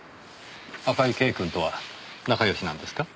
赤井啓くんとは仲良しなんですか？